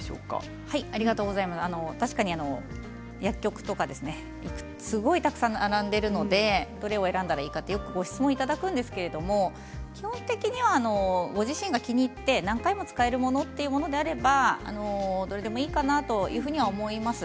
確かに薬局とかすごいたくさん並んでいるのでどれを選んだらいいのかとよくご質問いただくんですけども基本的にはご自身が気に入って何回も使えるものというものであればどれでもいいかなと思います。